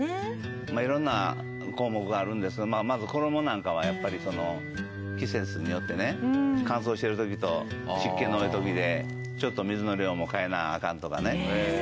色んな項目があるんですがまず衣なんかはやっぱり季節によってね乾燥してる時と湿気の多い時でちょっと水の量も変えなアカンとかね。